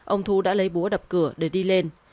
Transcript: ông thu đã lấy búa đập cửa để đi lên